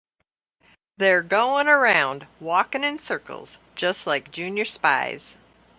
They're going around, walking in circles, just like junior spies.